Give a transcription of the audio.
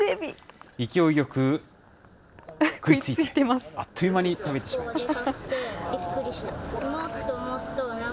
勢いよく食いついて、あっという間に食べてしまいました。